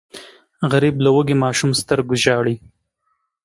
غریب له وږي ماشوم سترګو ژاړي